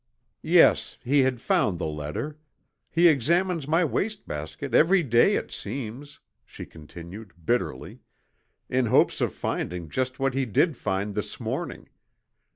"Yes, he had found the letter. He examines my waste basket every day it seems," she continued, bitterly, "in hopes of finding just what he did find this morning.